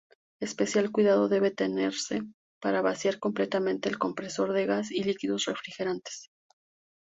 Especial cuidado debe tenerse para vaciar completamente el compresor de gases y líquidos refrigerantes.